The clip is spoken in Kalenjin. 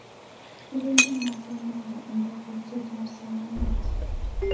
Kipendi Maasai Mara eng' rutoitap somanet.